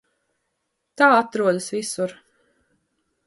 Tā atrodas visur.